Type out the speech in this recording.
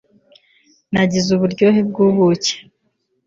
nagize uburyohe bw'ubuki